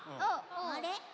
あれ？